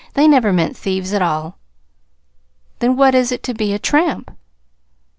"They never meant thieves at all." "Then, what is it to be a tramp?"